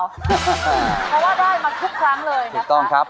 เพราะว่าได้มาทุกครั้งเลยถูกต้องครับ